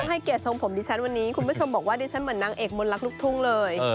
ให้เกียรติทรงผมดิฉันวันนี้คุณผู้ชมบอกว่าดิฉันเหมือนนางเอกมนรักลูกทุ่งเลย